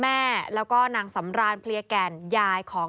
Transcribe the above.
แม่แล้วก็นางสำรานเพลียแก่นยายของ